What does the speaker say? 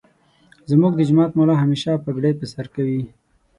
زمونږ دجماعت ملا همیشه پګړی پرسرکوی.